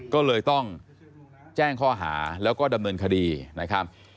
ก็เลยต้องแจ้งข้อหาแล้วก็ดำเนินคดีนะครับ